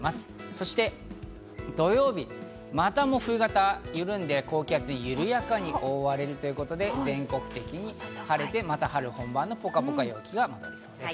そして土曜日、また冬型が緩んで、高気圧が緩やかに覆うということで全国的に晴れて、また春本番のポカポカ陽気が戻りそうです。